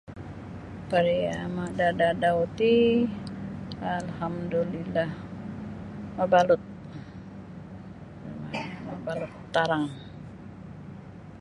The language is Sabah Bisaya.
Pariyama da dadau ti Alhamdulillah mabalut mabalut tarang